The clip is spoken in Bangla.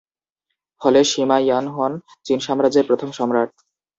ফলে সিমা ইয়ান হন চিন সাম্রাজ্যের প্রথম সম্রাট।